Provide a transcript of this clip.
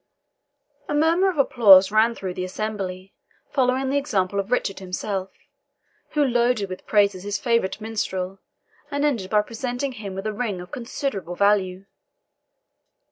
A murmur of applause ran through the assembly, following the example of Richard himself, who loaded with praises his favourite minstrel, and ended by presenting him with a ring of considerable value.